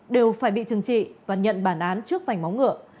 đều phải bị chừng trị và nhận bản án trước vảnh móng ngựa